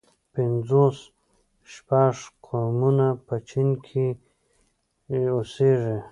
پنځوس شپږ قومونه په چين کې اوسيږي.